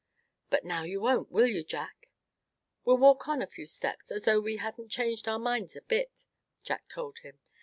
"But now you won't, will you, Jack?" "We'll walk on a few steps, as though we hadn't changed our minds a bit," Jack told him.